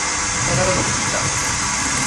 大家都怎麼記帳